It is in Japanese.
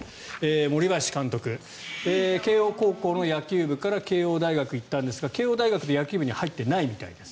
森林監督慶応高校の野球部から慶應大学に行ったんですが慶應大学で野球部に入っていないみたいです。